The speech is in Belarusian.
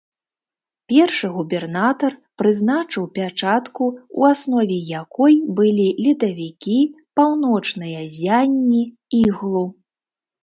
Першы губернатар прызначыў пячатку, у аснове якой былі ледавікі, паўночныя ззянні, іглу.